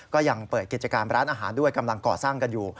ก็ยังเปิดกิจการร้านอาหารด้วยกำลังก่อสร้างกันอยู่